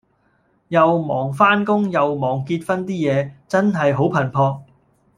又忙返工又忙結婚 D 野，真係好頻撲